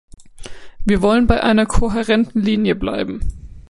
Wir wollen bei einer kohärenten Linie bleiben.